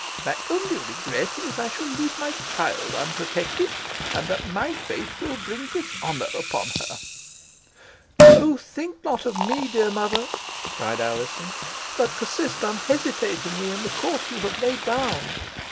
My only regret is, that I shall leave my child unprotected, and that my fate will bring dishonour upon her." "Oh, think not of me, dear mother!" cried Alizon, "but persist unhesitatingly in the course you have laid down.